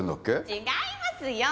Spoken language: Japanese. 違いますよ